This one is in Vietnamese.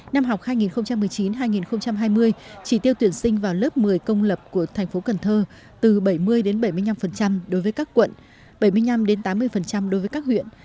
năm học hai nghìn một mươi chín hai nghìn hai mươi chỉ tiêu tuyển sinh vào lớp một mươi công lập của thành phố cần thơ từ bảy mươi bảy mươi năm đối với các quận bảy mươi năm tám mươi đối với các huyện